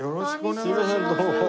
すいませんどうも。